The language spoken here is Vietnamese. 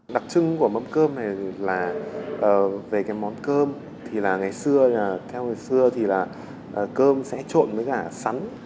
đặc trưng của mâm cơm này là về cái món cơm thì là ngày xưa theo ngày xưa thì là cơm sẽ trộn với cả sắn